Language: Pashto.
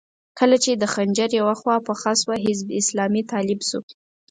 کله چې د خنجر يوه خوا پڅه شوه، حزب اسلامي طالب شو.